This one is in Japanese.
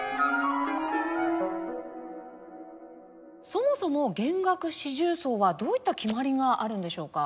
そもそも弦楽四重奏はどういった決まりがあるんでしょうか？